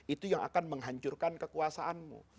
itu yang akan menghancurkan kekuasaanmu